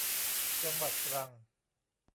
จังหวัดตรัง